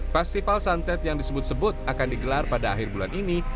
festival santet yang disebut sebut akan digelar pada akhir bulan ini